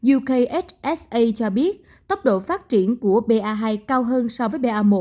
ukhsa cho biết tốc độ phát triển của ba hai cao hơn so với ba một